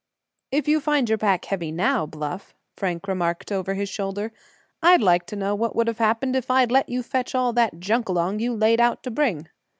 "If you find your pack heavy now, Bluff," Frank remarked, over his shoulder, "I'd like to know what would have happened if I'd let you fetch all that junk along you laid out to bring."